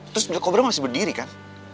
terus black cobra masih berdiri kan